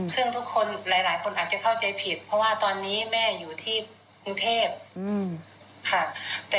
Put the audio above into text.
ซึ่งทุกคนหลายคนอาจจะเข้าใจผิดเพราะว่าตอนนี้แม่อยู่ที่กรุงเทพค่ะ